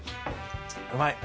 うまい。